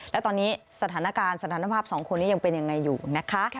และตอนนี้สถานการณ์สถานภาพสองคนนี้ยังเป็นยังไงอยู่นะคะ